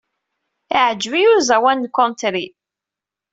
Iɛǧeb-iyi uẓawan n country.